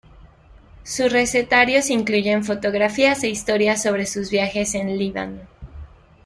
Su recetarios incluye fotografías e historias sobre sus viajes a Líbano.